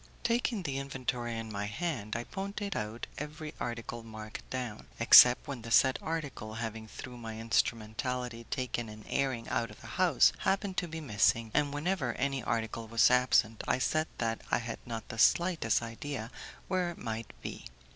Taking the inventory in my hand, I pointed out every article marked down, except when the said article, having through my instrumentality taken an airing out of the house, happened to be missing, and whenever any article was absent I said that I had not the slightest idea where it might be.